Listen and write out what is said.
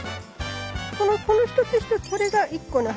この一つ一つこれが一個の花